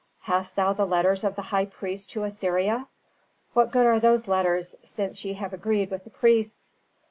"Hast thou the letters of the high priest to Assyria?" "What good are those letters, since ye have agreed with the priests?"